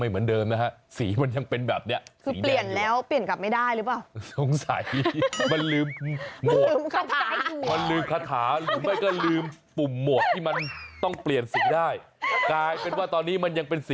ไม่นะ